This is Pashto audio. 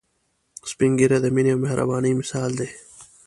سپین ږیری د مينه او مهربانۍ مثال دي